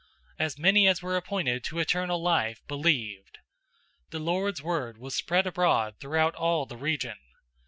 As many as were appointed to eternal life believed. 013:049 The Lord's word was spread abroad throughout all the region.